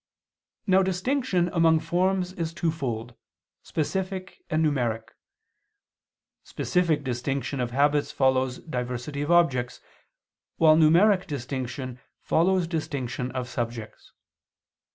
Now distinction among forms is twofold: specific and numeric. Specific distinction of habits follows diversity of objects, while numeric distinction follows distinction of subjects.